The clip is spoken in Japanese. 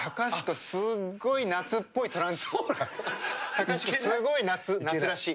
隆子すごい夏夏らしい。